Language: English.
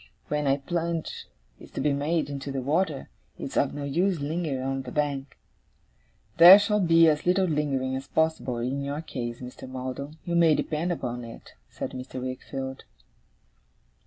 When a plunge is to be made into the water, it's of no use lingering on the bank.' 'There shall be as little lingering as possible, in your case, Mr. Maldon, you may depend upon it,' said Mr. Wickfield.